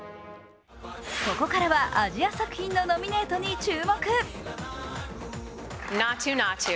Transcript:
ここからはアジア作品のノミネートに注目。